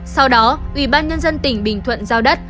sau đó ủy ban nhân dân tỉnh bình thuận giao đất